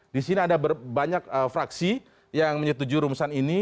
di sini ada banyak fraksi yang menyetujui rumusan ini